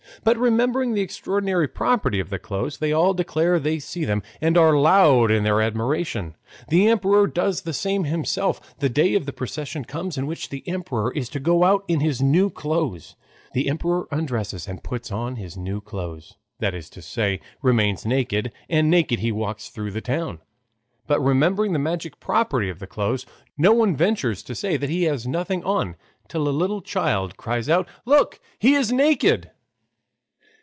But remembering the extraordinary property of the clothes, they all declare they see them and are loud in their admiration. The emperor does the same himself. The day of the procession comes in which the emperor is to go out in his new clothes. The emperor undresses and puts on his new clothes, that is to say, remains naked, and naked he walks through the town. But remembering the magic property of the clothes, no one ventures to say that he has nothing on till a little child cries out: "Look, he is naked!"